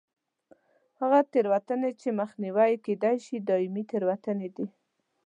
هغه تېروتنې چې مخنیوی یې کېدای شي دایمي تېروتنې دي.